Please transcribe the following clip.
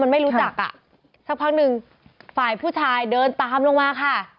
ไม่รู้จักอ่ะสักพักหนึ่งฝ่ายผู้ชายเดินตามลงมาค่ะ